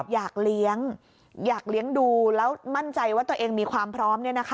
อยากเลี้ยงอยากเลี้ยงดูแล้วมั่นใจว่าตัวเองมีความพร้อม